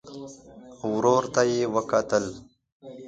ورور ته يې وکتل.